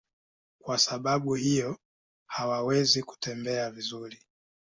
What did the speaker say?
Kwa sababu hiyo hawawezi kutembea vizuri.